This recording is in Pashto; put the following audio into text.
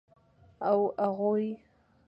او اغوئ.